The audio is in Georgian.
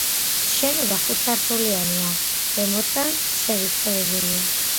შენობა ხუთსართულიანია, ზემოთკენ შევიწროებული.